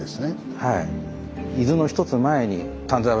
はい。